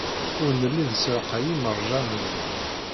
Ur nelli nessalqay imerjan-nni.